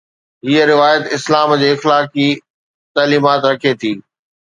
هيءَ روايت اسلام جي اخلاقي تعليمات رکي ٿي.